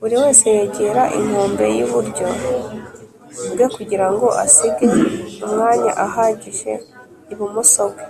buri wese yegera inkombe y’iburyo bwe Kugirango asige Umwanya ahagije ibumoso bwe